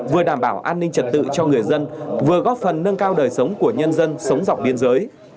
vừa đảm bảo an ninh trật tự cho người dân vừa góp phần nâng cao đời sống của nhân dân sống dọc biên giới